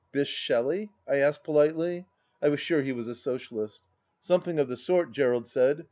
" —Bysshe Shelley ?" I asked politely ; I was sure he was a Socialist. " Something of the sort," Gerald said.